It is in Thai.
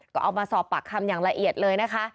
ก็เอามาสอบปากคำอย่างละเอียดเลยนะคะ